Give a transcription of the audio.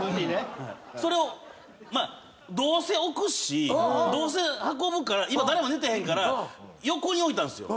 それをまあどうせ置くしどうせ運ぶから今誰も寝てへんから横に置いたんですよ。